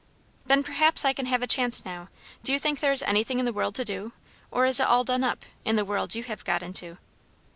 "Then perhaps I can have a chance now. Do you think there is anything in the world to do? or is it all done up, in the world you have got into?"